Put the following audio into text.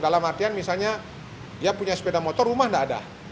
dalam artian misalnya dia punya sepeda motor rumah tidak ada